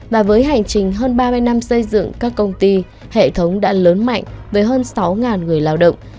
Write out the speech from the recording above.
và với hành trình hơn ba mươi năm xây dựng các công ty hệ thống đã lớn mạnh với hơn sáu người lao động